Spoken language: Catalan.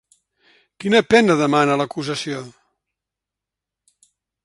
Quina pena demana l’acusació?